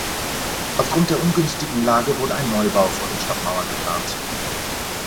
Aufgrund der ungünstigen Lage wurde ein Neubau vor den Stadtmauern geplant.